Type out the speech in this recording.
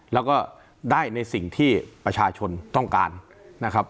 แล้วก็ได้ในสิ่งที่ประชาชนต้องการนะครับ